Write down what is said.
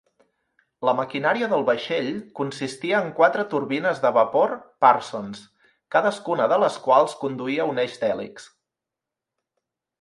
La maquinària del vaixell consistia en quatre turbines de vapor Parsons, cadascuna de les quals conduïa un eix d'hèlix.